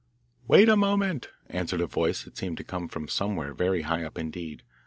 'Wait a moment,' answered a voice that seemed to come from somewhere very high up indeed.